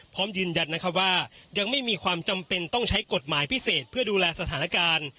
พร้อมยืนยันว่ายังไม่มีความจำเป็นต้องใช้กฎหมายพิเศษเพื่อดูแลสถานการณ์